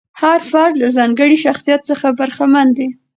هر فرد له ځانګړي شخصیت څخه برخمن دی.